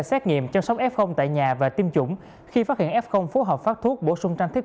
xét nghiệm chăm sóc f tại nhà và tiêm chủng khi phát hiện f phối hợp phát thuốc bổ sung trang thiết